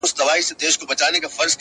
ټوله شپه خوبونه وي ـ